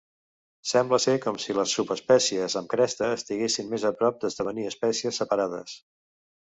Sembla ser com si les subespècies amb cresta estiguessin més a prop d'esdevenir espècies separades.